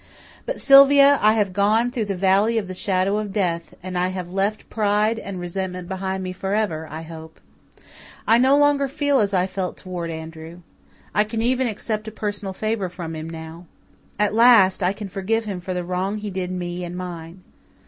"But, Sylvia, I have gone through the Valley of the Shadow of Death, and I have left pride and resentment behind me for ever, I hope. I no longer feel as I felt towards Andrew. I can even accept a personal favour from him now. At last I can forgive him for the wrong he did me and mine.